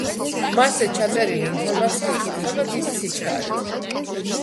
მასზე ჩაწერილი ინფორმაცია იკითხება დიდი სიჩქარით.